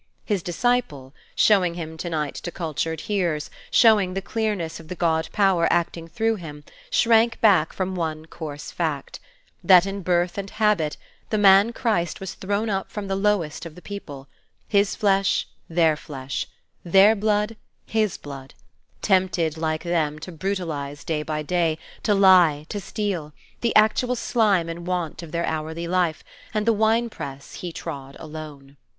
His disciple, showing Him to night to cultured hearers, showing the clearness of the God power acting through Him, shrank back from one coarse fact; that in birth and habit the man Christ was thrown up from the lowest of the people: his flesh, their flesh; their blood, his blood; tempted like them, to brutalize day by day; to lie, to steal: the actual slime and want of their hourly life, and the wine press he trod alone.